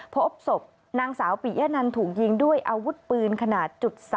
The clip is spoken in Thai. พบศพนางสาวปิยะนันถูกยิงด้วยอาวุธปืนขนาด๓